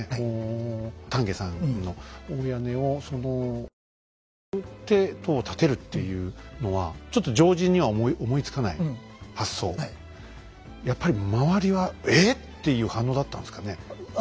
丹下さんの大屋根をぶち破って塔を建てるっていうのはちょっとやっぱり周りは「えぇ⁉」っていう反応だったんですかね。